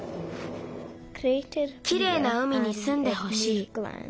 きれいな海にすんでほしい。